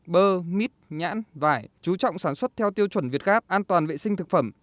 bơ mít nhãn vải chú trọng sản xuất theo tiêu chuẩn việt gáp an toàn vệ sinh thực phẩm